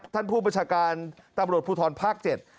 ท่านผู้บัญชาการตำรวจภูทรภาค๗